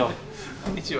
こんにちは。